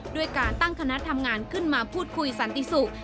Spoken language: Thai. ด้วยการตั้งคณะทำงานขึ้นมาพูดคุยสันติสุข